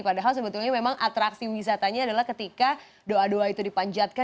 padahal sebetulnya memang atraksi wisatanya adalah ketika doa doa itu dipanjatkan